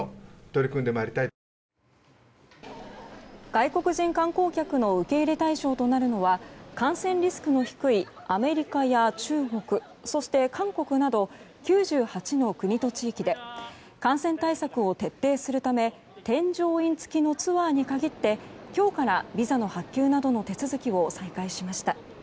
外国人観光客の受け入れ対象となるのは感染リスクの低いアメリカや中国、そして韓国など９８の国と地域で感染対策を徹底するため添乗員付きのツアーに限って今日からビザの発給などの手続きを再開しました。